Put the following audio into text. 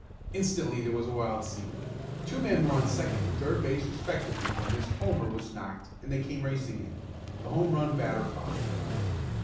Instantly there was a wild scene. Two men were on second and third base respectively when this "homer" was knocked and they came racing in. The home run batter followed.